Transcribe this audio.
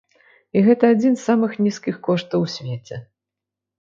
І гэта адзін з самых нізкіх коштаў у свеце.